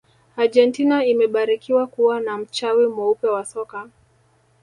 argentina imebarikiwa kuwa na mchawi mweupe wa soka